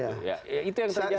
ya itu yang terjadi